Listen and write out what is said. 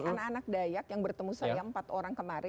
anak anak dayak yang bertemu saya empat orang kemarin